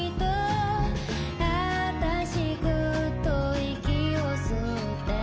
「あたしぐっと息を吸って」